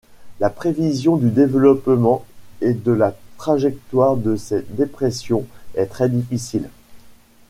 La prévision du développement et de la trajectoire de ces dépressions est très difficile.